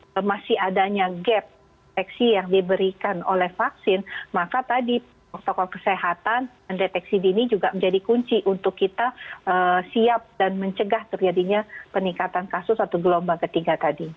kalau masih adanya gap deteksi yang diberikan oleh vaksin maka tadi protokol kesehatan dan deteksi dini juga menjadi kunci untuk kita siap dan mencegah terjadinya peningkatan kasus atau gelombang ketiga tadi